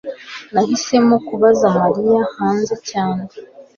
nahisemo kubaza mariya hanze cyane